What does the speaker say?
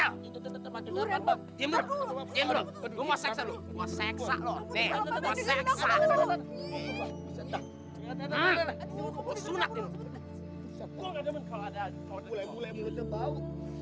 gue nggak demen kalau ada cowok mulai mulai bernyanyi bau